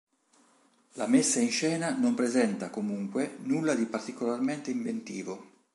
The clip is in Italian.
La messa in scena non presenta, comunque, nulla di particolarmente inventivo.